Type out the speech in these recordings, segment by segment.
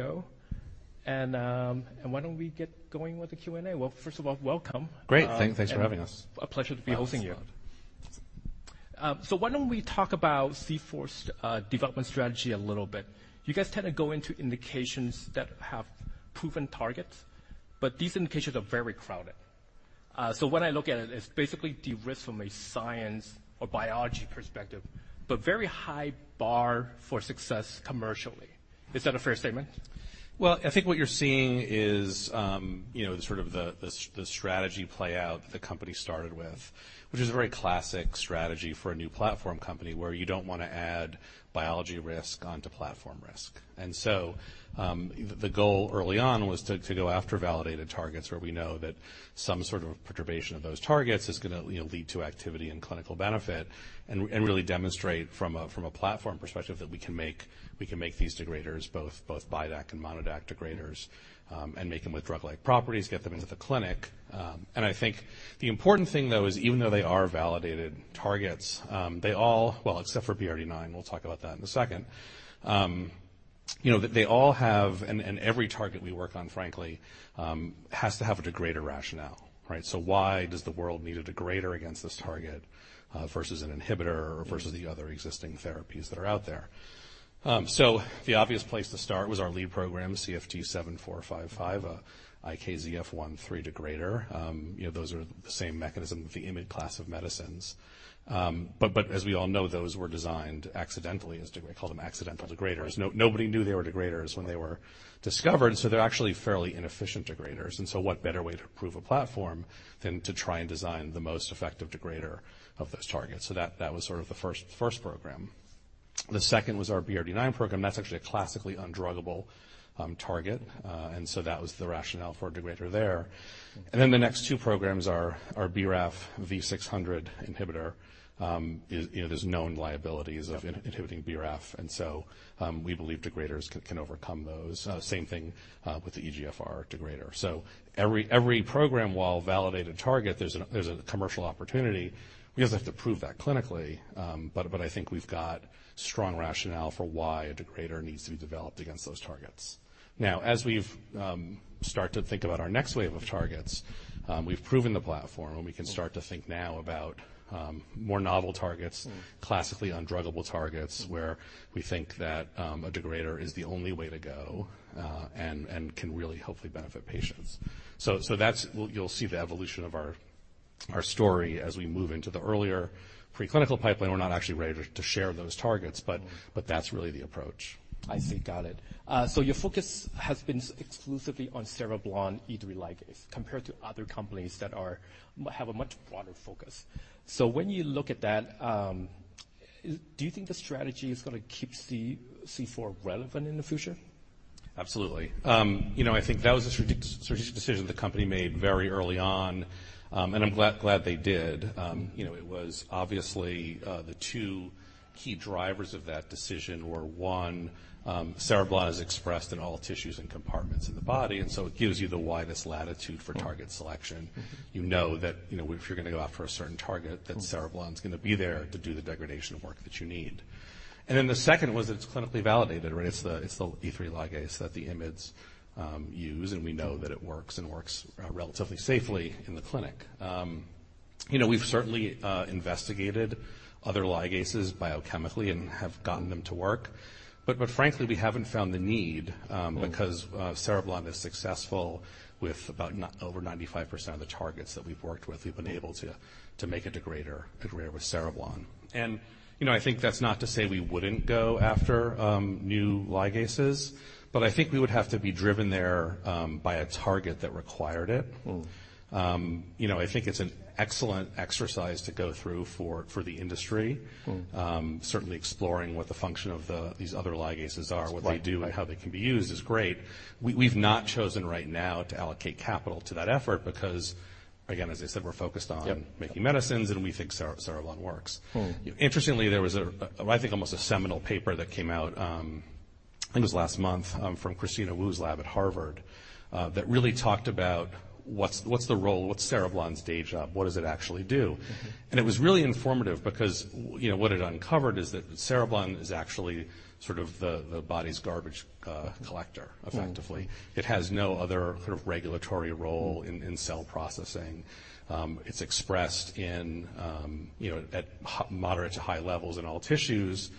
Yo. Why don't we get going with the Q&A? Well, first of all, welcome. Great. Thanks for having us. A pleasure to be hosting you. Thanks a lot. Why don't we talk about C4's development strategy a little bit. You guys tend to go into indications that have proven targets, but these indications are very crowded. When I look at it's basically de-risk from a science or biology perspective, but very high bar for success commercially. Is that a fair statement? Well, I think what you're seeing is, you know, sort of the strategy play out that the company started with, which is a very classic strategy for a new platform company where you don't wanna add biology risk onto platform risk. The goal early on was to go after validated targets where we know that some sort of perturbation of those targets is gonna, you know, lead to activity and clinical benefit and really demonstrate from a platform perspective that we can make these degraders both BiDAC and MonoDAC degraders, and make them with drug-like properties, get them into the clinic. I think the important thing, though, is even though they are validated targets, well, except for BRD9, we'll talk about that in a second. You know, they all have, and every target we work on, frankly, has to have a degrader rationale, right? Why does the world need a degrader against this target, versus an inhibitor or versus the other existing therapies that are out there? The obvious place to start was our lead program, CFT7455, IKZF1/3 degrader. You know, those are the same mechanism, the IMiD class of medicines. As we all know, those were designed accidentally. We call them accidental degraders. Nobody knew they were degraders when they were discovered, so they're actually fairly inefficient degraders. What better way to prove a platform than to try and design the most effective degrader of those targets? That was sort of the first program. The second was our BRD9 program. That's actually a classically undruggable target. That was the rationale for a degrader there. The next two programs are BRAF V600 inhibitor. You know, there's known liabilities of inhibiting BRAF, and so we believe degraders can overcome those. Same thing with the EGFR degrader. Every program, while validated target, there's a commercial opportunity. We also have to prove that clinically, but I think we've got strong rationale for why a degrader needs to be developed against those targets. Now, as we start to think about our next wave of targets, we've proven the platform and we can start to think now about more novel targets, classically undruggable targets, where we think that a degrader is the only way to go, and can really hopefully benefit patients. That's. You'll see the evolution of our story as we move into the earlier preclinical pipeline. We're not actually ready to share those targets, but that's really the approach. I see. Got it. Your focus has been exclusively on Cereblon E3 ligase compared to other companies that have a much broader focus. When you look at that, do you think the strategy is gonna keep C4 relevant in the future? Absolutely. You know, I think that was a strategic decision the company made very early on, and I'm glad they did. You know, it was obviously the two key drivers of that decision were, one, Cereblon is expressed in all tissues and compartments in the body, and so it gives you the widest latitude for target selection. You know that, you know, if you're gonna go out for a certain target, that Cereblon's gonna be there to do the degradation work that you need. The second was that it's clinically validated, right? It's the E3 ligase that the IMiDs use, and we know that it works and works relatively safely in the clinic. You know, we've certainly investigated other ligases biochemically and have gotten them to work, but frankly, we haven't found the need, because Cereblon is successful with about over 95% of the targets that we've worked with. We've been able to make a degrader with Cereblon. You know, I think that's not to say we wouldn't go after new ligases, but I think we would have to be driven there by a target that required it. You know, I think it's an excellent exercise to go through for the industry. Certainly exploring what the function of these other ligases are, what they do and how they can be used is great. We've not chosen right now to allocate capital to that effort because, again, as I said, we're focused on making medicines, and we think Cereblon works. Interestingly, there was, I think, almost a seminal paper that came out. I think it was last month from Christina Woo's lab at Harvard that really talked about what's the role, what's Cereblon's day job, what does it actually do? It was really informative because, you know, what it uncovered is that Cereblon is actually sort of the body's garbage collector, effectively. It has no other sort of regulatory role in cell processing. It's expressed in, you know, at moderate to high levels in all tissues,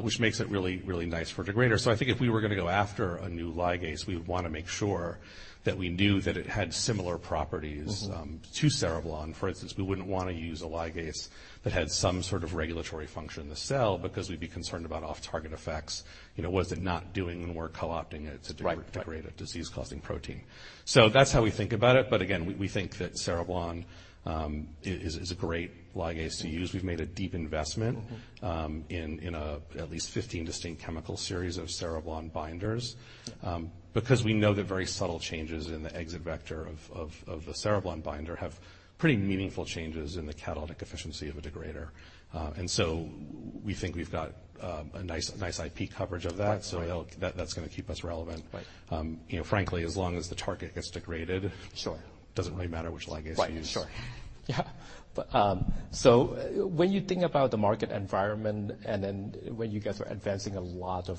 which makes it really nice for a degrader. I think if we were gonna go after a new ligase, we would wanna make sure that we knew that it had similar properties to Cereblon. For instance, we wouldn't wanna use a ligase that had some sort of regulatory function in the cell because we'd be concerned about off-target effects. You know, was it not doing the work, co-opting it to degrade a disease-causing protein? That's how we think about it. Again, we think that Cereblon is a great ligase to use. We've made a deep investment in at least 15 distinct chemical series of Cereblon binders, because we know that very subtle changes in the exit vector of the Cereblon binder have pretty meaningful changes in the catalytic efficiency of a degrader. We think we've got a nice IP coverage of that. That's gonna keep us relevant, you know, frankly, as long as the target gets degraded. So, doesn’t really matter which ligase you use. Right. Sure. Yeah. When you think about the market environment and then when you guys are advancing a lot of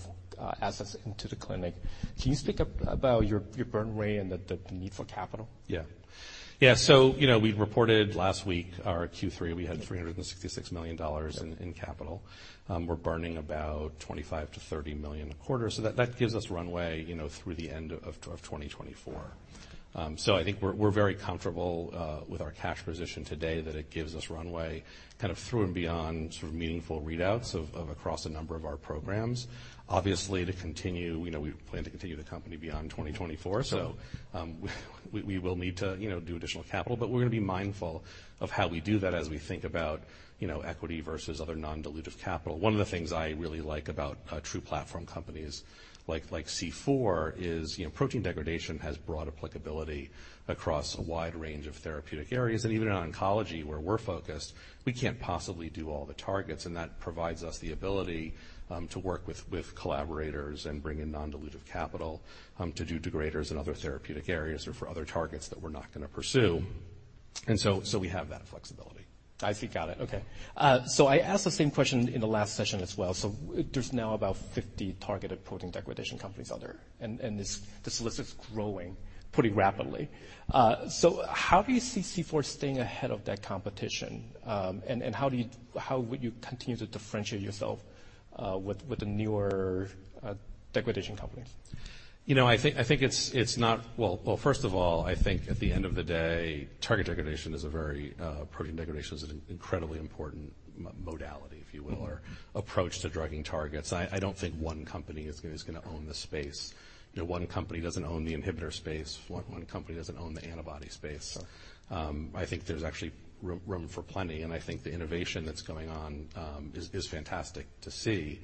assets into the clinic, can you speak about your burn rate and the need for capital? You know, we reported last week our Q3. We had $366 million in capital. We're burning about $25 million-$30 million a quarter, so that gives us runway, you know, through the end of 2024. I think we're very comfortable with our cash position today that it gives us runway kind of through and beyond sort of meaningful readouts of across a number of our programs. Obviously, to continue, you know, we plan to continue the company beyond 2024. We will need to, you know, do additional capital, but we're gonna be mindful of how we do that as we think about, you know, equity versus other non-dilutive capital. One of the things I really like about true platform companies like C4 is, you know, protein degradation has broad applicability across a wide range of therapeutic areas. Even in oncology, where we're focused, we can't possibly do all the targets, and that provides us the ability to work with collaborators and bring in non-dilutive capital to do degraders in other therapeutic areas or for other targets that we're not gonna pursue. We have that flexibility. I see. Got it. Okay. I asked the same question in the last session as well. There's now about 50 targeted protein degradation companies out there, and this list is growing pretty rapidly. How do you see C4 staying ahead of that competition? And how would you continue to differentiate yourself with the newer degradation companies? You know, Well, first of all, I think at the end of the day, targeted degradation is an incredibly important modality, if you will, or approach to drugging targets. I don't think one company is gonna own the space. You know, one company doesn't own the inhibitor space. One company doesn't own the antibody space. I think there's actually room for plenty, and I think the innovation that's going on is fantastic to see.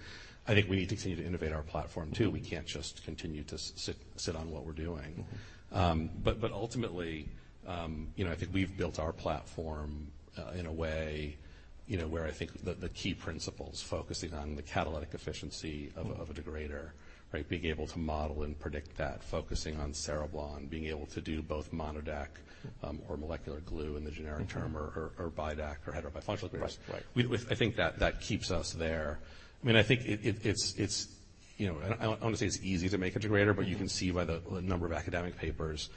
I think we need to continue to innovate our platform too. We can't just continue to sit on what we're doing. Ultimately, you know, I think we've built our platform in a way, you know, where I think the key principles focusing on the catalytic efficiency of a degrader, right. Being able to model and predict that, focusing on Cereblon, being able to do both monoDAC or molecular glue in the generic term or BiDAC or heterobifunctional pairs. I think that keeps us there. I mean, I think it's, you know. I wanna say it's easy to make a degrader, but you can see by the number of academic papers,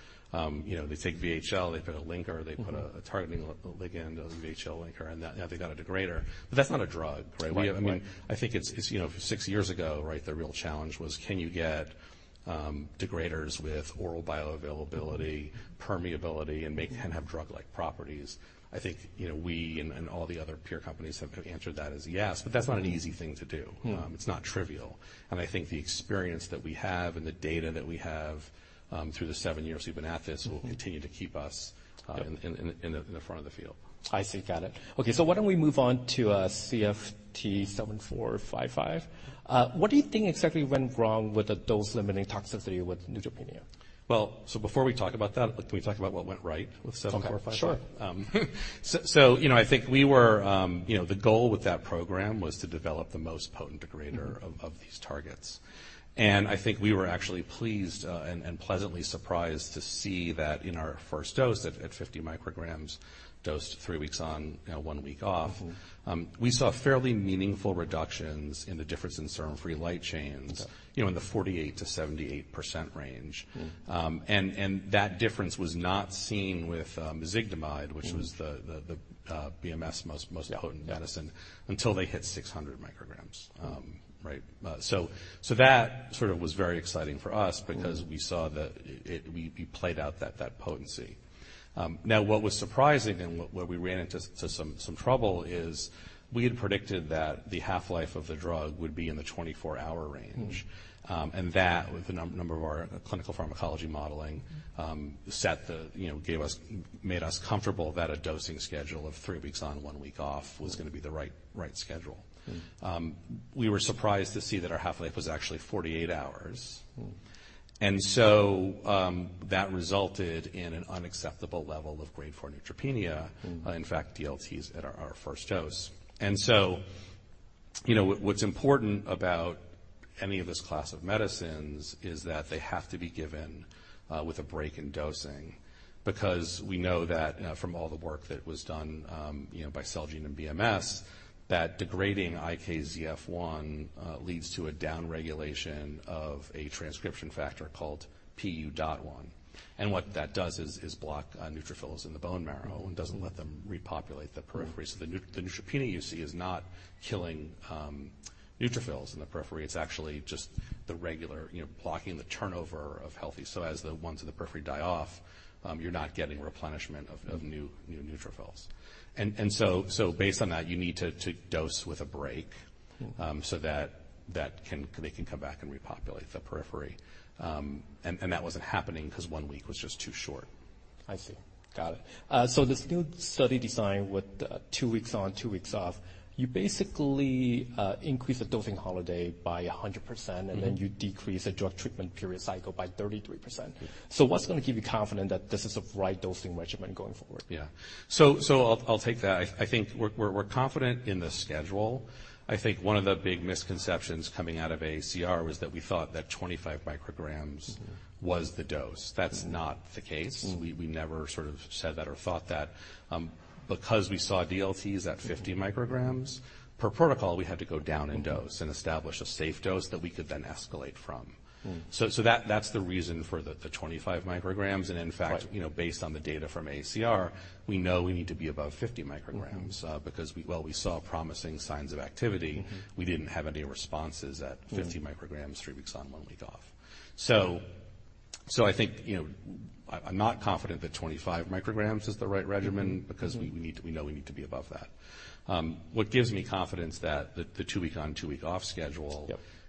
you know, they take VHL, they put a linker, they put a targeting ligand, a VHL linker, and they've got a degrader. But that's not a drug, right? Yeah. I mean, I think it's, you know, six years ago, right, the real challenge was can you get degraders with oral bioavailability, permeability, and have drug-like properties. I think, you know, we and all the other peer companies have answered that as a yes, but that's not an easy thing to do. It's not trivial. I think the experience that we have and the data that we have through the seven years we've been at this will continue to keep us in the front of the field. I see. Got it. Okay, why don't we move on to CFT7455. What do you think exactly went wrong with the dose-limiting toxicity with neutropenia? Well, before we talk about that, can we talk about what went right with 7455? Okay, sure. You know, I think we were, you know, the goal with that program was to develop the most potent degrader of these targets. I think we were actually pleased and pleasantly surprised to see that in our first dose at 50 mcg dosed three weeks on, you know, one week off. We saw fairly meaningful reductions in the difference in serum free light chains. Yeah. You know, in the 48%-78% range. That difference was not seen with mezigdomide, which was the BMS most potent medicine until they hit 600 mcg. Right? That sort of was very exciting for us because we played out that potency. Now what was surprising and where we ran into some trouble is we had predicted that the half-life of the drug would be in the 24-hour range. That with a number of our clinical pharmacology modeling made us comfortable that a dosing schedule of three weeks on, one week off was gonna be the right schedule. We were surprised to see that our half-life was actually 48 hours. That resulted in an unacceptable level of Grade 4 neutropenia. In fact, DLTs at our first dose. What's important about any of this class of medicines is that they have to be given with a break in dosing because we know that from all the work that was done by Celgene and BMS, that degrading IKZF1 leads to a downregulation of a transcription factor called PU.1. What that does is block neutrophils in the bone marrow and doesn't let them repopulate the periphery. The neutropenia you see is not killing neutrophils in the periphery, it's actually just the regular blocking the turnover of healthy. As the ones in the periphery die off, you're not getting replenishment of new neutrophils. Based on that, you need to dose with a break. They can come back and repopulate the periphery. That wasn't happening 'cause one week was just too short. I see. Got it. This new study design with two weeks on, two weeks off, you basically increase the dosing holiday by 100%, you decrease the drug treatment period cycle by 33%. What's gonna keep you confident that this is the right dosing regimen going forward? Yeah. I'll take that. I think we're confident in the schedule. I think one of the big misconceptions coming out of AACR was that we thought that 25 mcg was the dose, that’s not the case. We never sort of said that or thought that, because we saw DLTs at 50 mcg. Per protocol, we had to go down in dose, and establish a safe dose that we could then escalate from. That's the reason for the 25 mcg. In fact, you know, based on the data from AACR, we know we need to be above 50 mcg because while we saw promising signs of activity, we didn't have any responses at 50 mcg, three weeks on, one week off. I think, you know, I'm not confident that 25 mcg is the right regimen because we know we need to be above that. What gives me confidence that the two week on, two week off schedule,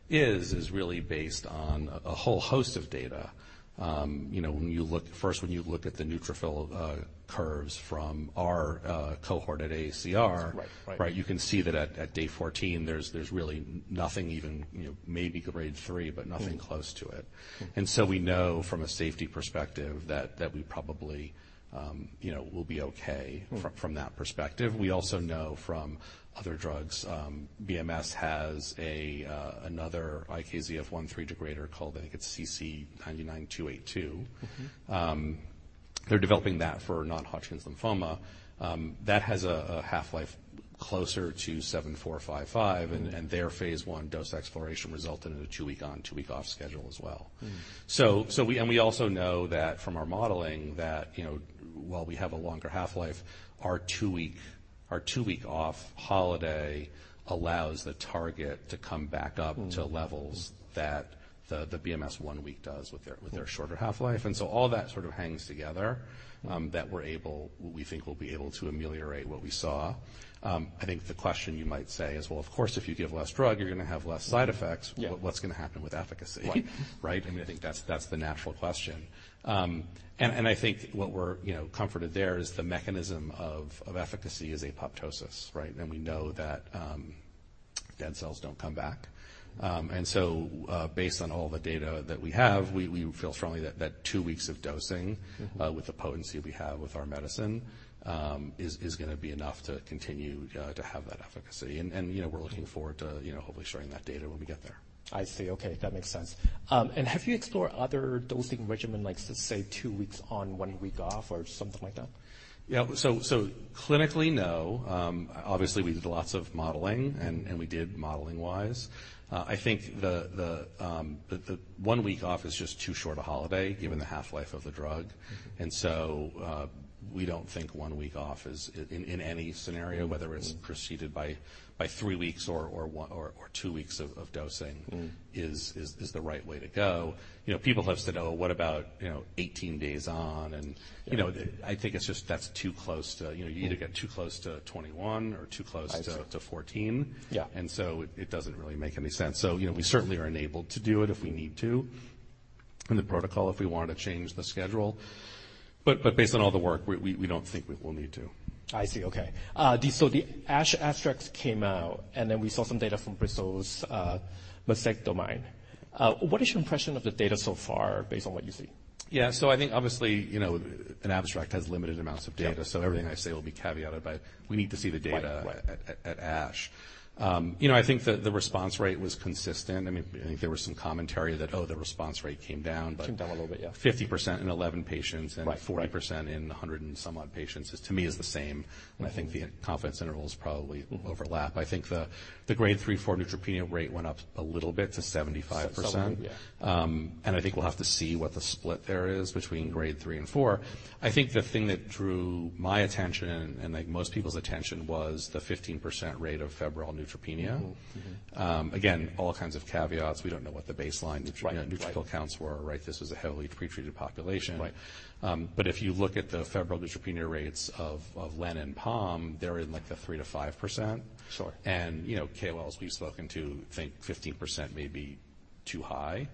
is really based on a whole host of data. You know, first, when you look at the neutrophil curves from our cohort at AACR. You can see that at day 14, there's really nothing even, you know, maybe grade 3, but nothing close to it. We know from a safety perspective that we probably, you know, will be okay, from that perspective. We also know from other drugs, BMS has another IKZF1 degrader called, I think it's CC-99282. They're developing that for non-Hodgkin's lymphoma. That has a half-life closer to 7455. Their phase I dose exploration resulted in a two-week on, two-week off schedule as well. We also know that from our modeling that, you know, while we have a longer half-life, our two-week off holiday allows the target to come back up to levels that the BMS one-week does with their shorter half-life. All that sort of hangs together that we think we'll be able to ameliorate what we saw. I think, the question you might say is, "Well, of course, if you give less drug you're gonna have less side effects”. Yeah. What's gonna happen with efficacy? Right. Right? I mean, I think that's the natural question. I think what we're you know comforted there is the mechanism of efficacy is apoptosis, right? We know that dead cells don't come back. Based on all the data that we have, we feel strongly that two weeks of dosing, with the potency we have with our medicine, is gonna be enough to continue to have that efficacy. You know, we're looking forward to, you know, hopefully sharing that data when we get there. I see. Okay. That makes sense. Have you explored other dosing regimen, like, say, two weeks on, one week off, or something like that? Clinically, no. Obviously, we did lots of modeling and we did modeling wise. I think, the one week off is just too short a holiday given the half-life of the drug. We don't think one week off is in any scenario—whether it's preceded by three weeks or one or two weeks of dosing—is the right way to go. You know, people have said, "Oh, what about, you know, 18 days on? You know, you either get too close to 21 or too close to 14? Yeah. It doesn't really make any sense. You know, we certainly are enabled to do it if we need to in the protocol if we wanted to change the schedule. But based on all the work, we don't think we will need to. I see. Okay. The ASH abstracts came out, and then we saw some data from Bristol's mezigdomide. What is your impression of the data so far based on what you see? Yeah. I think obviously, you know, an abstract has limited amounts of data. Everything I say will be caveated by we need to see the data at ASH. You know, I think the response rate was consistent. I mean, I think there was some commentary that, "Oh, the response rate came down.” Came down a little bit, yeah. 50% in 11 patients and 40% in 100 and some odd patients is to me the same. I think the confidence intervals probably overlap. I think the Grade 3–4 neutropenia rate went up a little bit to 75%. 70, yeah. I think we'll have to see what the split there is between Grade 3 and 4. I think the thing that drew my attention, and like, most people's attention was the 15% rate of febrile neutropenia. Again, all kinds of caveats. We don't know what the baseline neutrophil counts were, right? This was a heavily pretreated population. Right. If you look at the febrile neutropenia rates of lenalidomide and pomalidomide, they're in like the 3%-5%. Sure. You know, KOLs we've spoken to think 15% may be too high.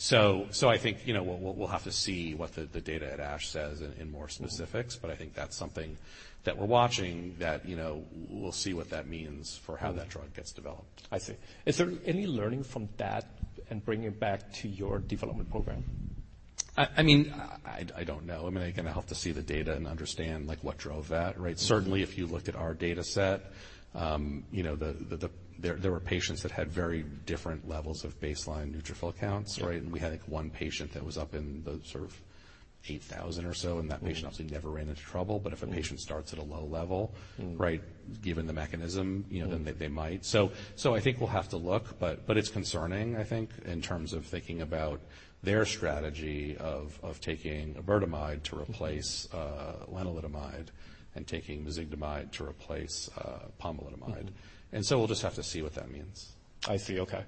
I think, you know, we'll have to see what the data at ASH says in more specifics. I think that's something that we're watching that, you know, we'll see what that means for how that drug gets developed. I see. Is there any learning from that and bringing it back to your development program? I mean, I don't know. I mean, again, I have to see the data and understand, like, what drove that, right? Certainly, if you looked at our data set, you know, there were patients that had very different levels of baseline neutrophil counts, right? Yeah. We had, like, one patient that was up in the sort of 8,000 or so, and that patient obviously, never ran into trouble, but if a patient starts at a low level, given the mechanism, you know, they might. I think we'll have to look, but it's concerning, I think, in terms of thinking about their strategy of taking iberdomide to replace lenalidomide and taking mezigdomide to replace pomalidomide. We'll just have to see what that means. I see. Okay.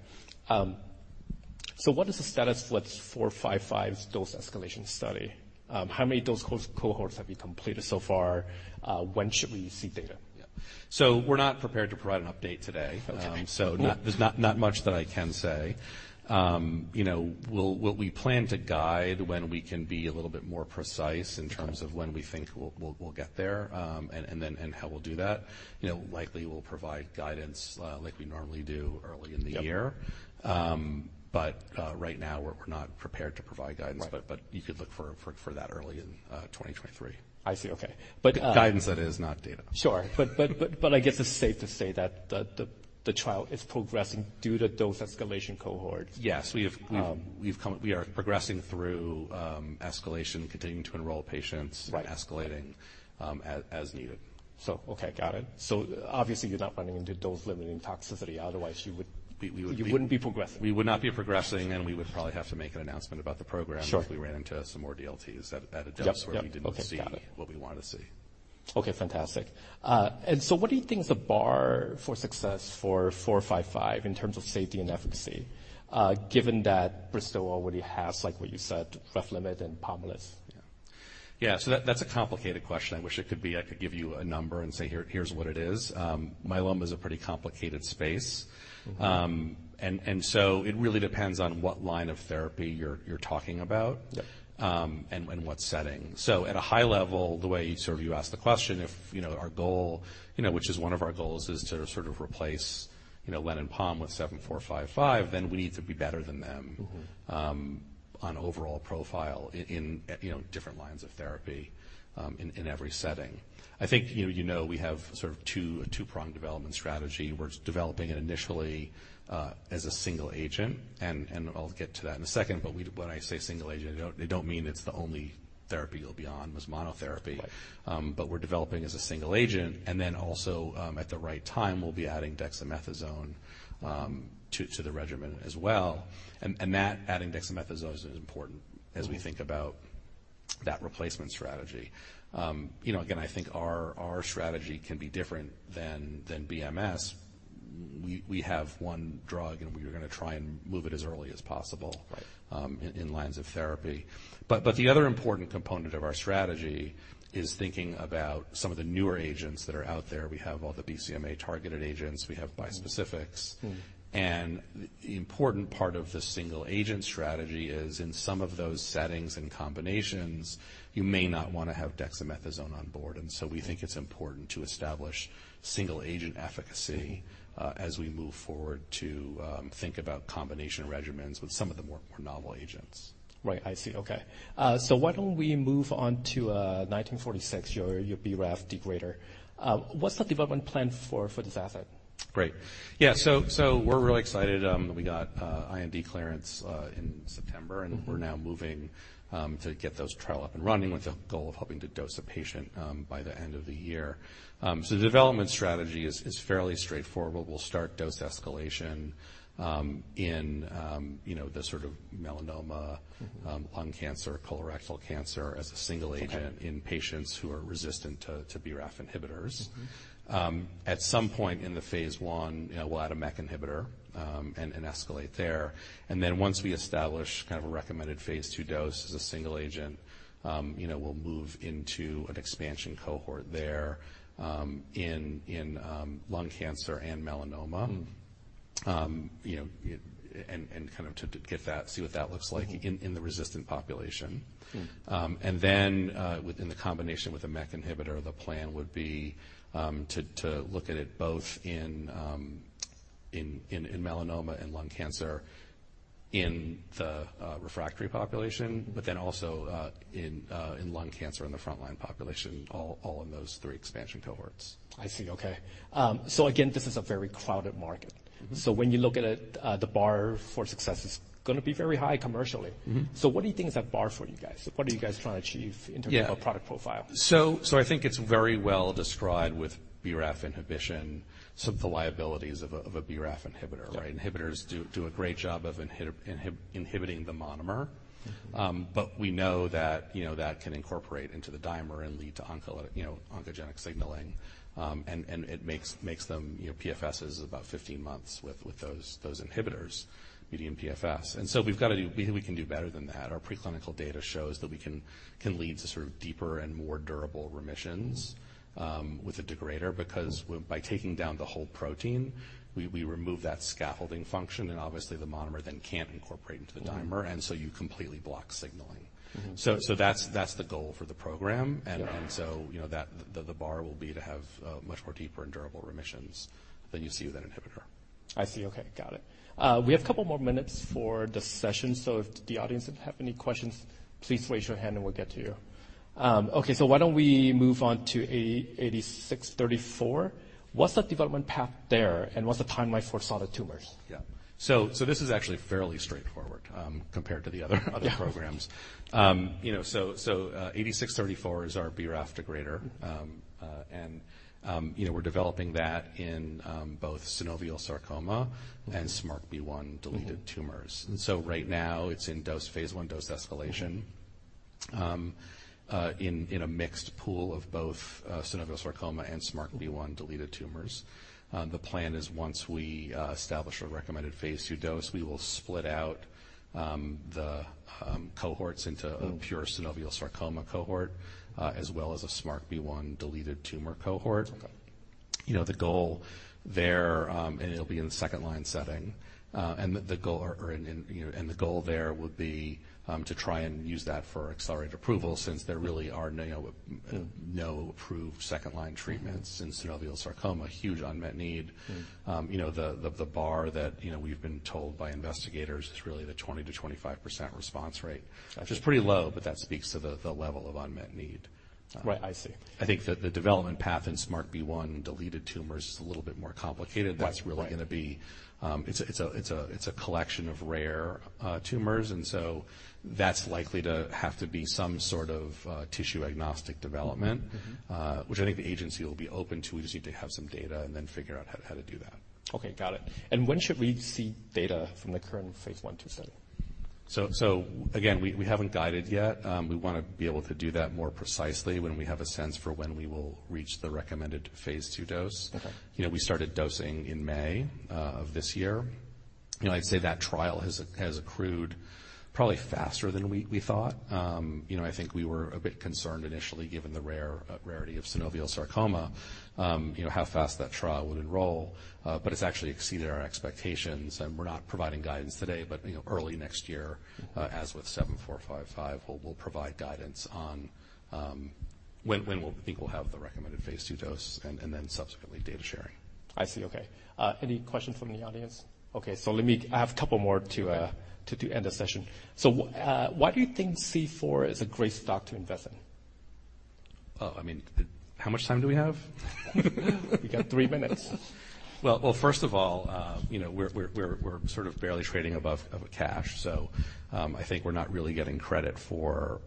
What is the status with CFT7455's dose escalation study? How many dose cohorts have you completed so far? When should we see data? Yeah. We're not prepared to provide an update today. Okay. Cool. There's not much that I can say. You know, what we plan to guide when we can be a little bit more precise in terms of when we think we'll get there, and then how we'll do that, you know, likely we'll provide guidance like we normally do early in the year. Yep. Right now we're not prepared to provide guidance. Right. You could look for that early in 2023. I see. Okay. Guidance that is not data. Sure. I guess it's safe to say that the trial is progressing due to dose escalation cohorts? Yes. We are progressing through escalation, continuing to enroll patients, escalating as needed. Okay. Got it. Obviously, you're not running into dose-limiting toxicity, otherwise, you wouldn't be progressing. We would not be progressing, and we would probably have to make an announcement about the program, if we ran into some more DLTs at a dose where we didn't see, what we want to see. Okay, fantastic. What do you think is the bar for success for CFT7455 in terms of safety and efficacy, given that Bristol already has, like what you said, REVLIMID and POMALYST? Yeah. That, that's a complicated question. I wish I could give you a number and say, "Here, here's what it is." Myeloma is a pretty complicated space. It really depends on what line of therapy you're talking about and what setting. At a high level, the way you sort of asked the question, if you know, our goal, you know, which is one of our goals is to sort of replace, you know, lenalidomide and pomalidomide with CFT7455, then we need to be better than them on overall profile in, you know, different lines of therapy, in every setting. I think, you know we have a two-pronged development strategy. We're developing it initially as a single agent, and I'll get to that in a second. When I say single agent, I don't mean it's the only therapy you'll be on as monotherapy. We're developing as a single agent, and then also at the right time we'll be adding dexamethasone to the regimen as well. That adding dexamethasone is important, as we think about that replacement strategy. You know, again, I think our strategy can be different than BMS. We have one drug, and we are gonna try and move it as early as possible, in lines of therapy. The other important component of our strategy is thinking about some of the newer agents that are out there. We have all the BCMA-targeted agents. We have bispecifics. The important part of the single agent strategy is in some of those settings and combinations, you may not wanna have dexamethasone on board, and so we think it's important to establish single agent efficacy, as we move forward to think about combination regimens with some of the more novel agents. Right. I see. Okay. Why don't we move on to CFT1946, your BRAF degrader? What's the development plan for this asset? Great. Yeah, we're really excited. We got IND clearance in September. We're now moving to get those trial up and running with the goal of hoping to dose a patient by the end of the year. The development strategy is fairly straightforward. We'll start dose escalation in you know the sort of melanoma, lung cancer, colorectal cancer as a single agent. In patients who are resistant to BRAF inhibitors. At some point in the phase I, we'll add a MEK inhibitor, and escalate there. Then once we establish kind of a recommended phase II dose as a single agent, you know, we'll move into an expansion cohort there, in lung cancer and melanoma. You know, kind of to get that, see what that looks like in the resistant population. Within the combination with a MEK inhibitor, the plan would be to look at it both in melanoma and lung cancer in the refractory population, also in lung cancer in the frontline population, all in those three expansion cohorts. I see. Okay. Again, this is a very crowded market. When you look at the bar for success is gonna be very high commercially. What do you think is that bar for you guys? What are you guys trying to achieve, in terms of a product profile? Yeah. I think it's very well described with BRAF inhibition, some of the liabilities of a BRAF inhibitor, right? Inhibitors do a great job of inhibiting the monomer. We know that, you know, that can incorporate into the dimer and lead to, you know, oncogenic signaling. It makes them, you know, PFS is about 15 months with those inhibitors, median PFS. We think we can do better than that. Our preclinical data shows that we can lead to sort of deeper and more durable remissionsNwith a degrader, because by taking down the whole protein, we remove that scaffolding function, and obviously the monomer then can't incorporate into the dimer, you completely block signaling. That's the goal for the program. You know, that the bar will be to have much more deeper and durable remissions than you see with an inhibitor. I see. Okay. Got it. We have a couple more minutes for the session, so if the audience have any questions, please raise your hand and we'll get to you. Okay, why don't we move on to CFT8634. What's the development path there, and what's the timeline for solid tumors? Yeah, this is actually fairly straightforward, compared to the other programs. Yeah. You know, CFT8634 is our BRAF degrader. You know, we're developing that in both synovial sarcoma and SMARCB1-deleted tumors. Right now, it's in phase I dose escalation in a mixed pool of both synovial sarcoma and SMARCB1-deleted tumors. The plan is once we establish a recommended phase II dose, we will split out the cohorts into a pure synovial sarcoma cohort, as well as a SMARCB1-deleted tumor cohort. Okay. You know, the goal there, and it'll be in the second-line setting. The goal there would be to try and use that for Accelerated Approval since there really are no, you know, no approved second-line treatments in synovial sarcoma, huge unmet need. You know, the bar that, you know, we've been told by investigators is really the 20%-25% response rate, which is pretty low, but that speaks to the level of unmet need. Right. I see. I think the development path in SMARCB1-deleted tumors is a little bit more complicated. Right. Right. That's really gonna be. It's a collection of rare tumors. That's likely to have to be some sort of tissue-agnostic development, which I think the agency will be open to. We just need to have some data and then figure out how to do that. Okay. Got it. When should we see data from the current phase I/II study? Again, we haven't guided yet. We wanna be able to do that more precisely when we have a sense for when we will reach the recommended phase II dose. Okay. You know, we started dosing in May of this year. You know, I'd say that trial has accrued probably faster than we thought. You know, I think we were a bit concerned initially given the rarity of synovial sarcoma, you know, how fast that trial would enroll. It's actually exceeded our expectations, and we're not providing guidance today. You know, early next year, as with CFT7455, we'll provide guidance on when we'll think we'll have the recommended phase II dose and then subsequently data sharing. I see. Okay. Any questions from the audience? Okay, I have a couple more to end the session. Why do you think C4 is a great stock to invest in? Oh, I mean, how much time do we have? You got three minutes. Well, first of all, you know, we're sort of barely trading above cash, so I think we're not really getting credit for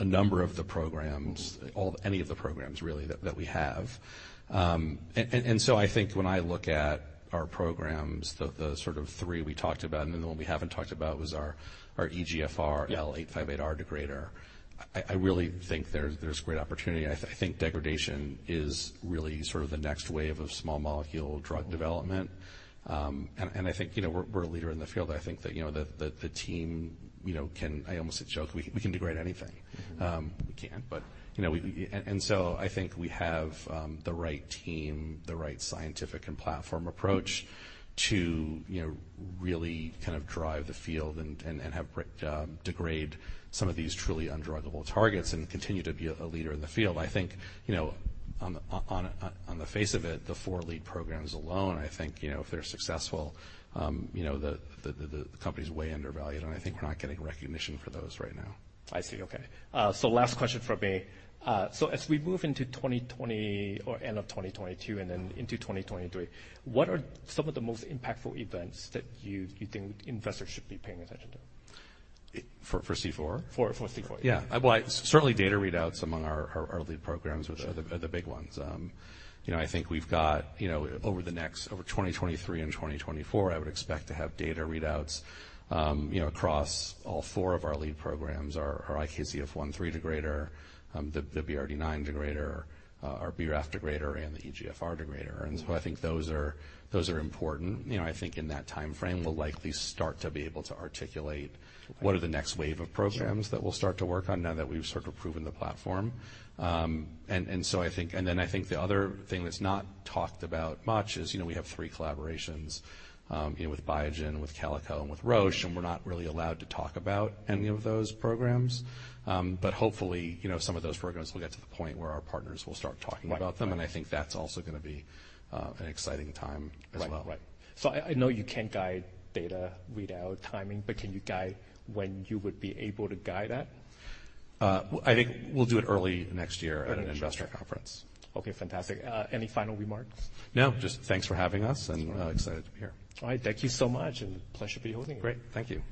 a number of the programs, any of the programs really that we have. I think when I look at our programs, the sort of three we talked about, and then the one we haven't talked about was our EGFR, L858R degrader. I really think there's great opportunity. I think degradation is really sort of the next wave of small molecule drug development. And I think, you know, we're a leader in the field. I think that, you know, the team, you know, can—I almost joke, we can degrade anything. We can't, but, you know. I think we have the right team, the right scientific and platform approach to, you know, really kind of drive the field and have degrade some of these truly undruggable targets and continue to be a leader in the field. I think, you know, on the face of it, the four lead programs alone, I think, you know, if they're successful, you know, the company's way undervalued, and I think we're not getting recognition for those right now. I see. Okay. Last question from me. As we move into 2023 or end of 2022 and then into 2023, what are some of the most impactful events that you think investors should be paying attention to? For C4? For C4, yeah. Yeah. Well, certainly data readouts among our lead programs, which are the big ones. You know, I think we've got, you know, over 2023 and 2024, I would expect to have data readouts, you know, across all four of our lead programs, our IKZF1/3 degrader, the BRD9 degrader, our BRAF degrader, and the EGFR degrader. I think those are important. You know, I think in that timeframe, we'll likely start to be able to articulate what are the next wave of programs that we'll start to work on now that we've sort of proven the platform. I think the other thing that's not talked about much is, you know, we have three collaborations, you know, with Biogen, with Calico, and with Roche, and we're not really allowed to talk about any of those programs. Hopefully, you know, some of those programs will get to the point where our partners will start talking about them. I think that's also gonna be an exciting time as well. Right. I know you can't guide data readout timing, but can you guide when you would be able to guide that? I think we'll do it early next year at an investor conference. Okay. Fantastic. Any final remarks? No, just thanks for having us. That's alright. Excited to be here. All right. Thank you so much, and pleasure to be hosting you. Great. Thank you.